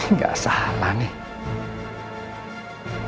nggak salah nih